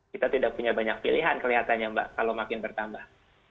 kita tidak punya banyak pilihan kelihatannya mbak kalau makin bertambah